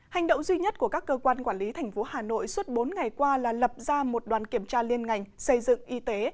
hành động duy nhất của các cơ quan quản lý thành phố hà nội suốt bốn ngày qua là lập ra một đoàn kiểm tra liên ngành xây dựng y tế